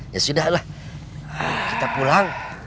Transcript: ya sudah lah kita pulang